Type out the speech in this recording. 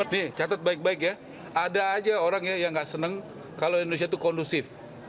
nih catat baik baik ya ada aja orang yang nggak senang kalau indonesia itu kondusif